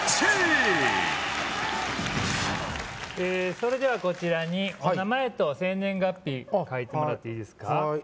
それではこちらにはいお名前と生年月日書いてもらっていいですかはい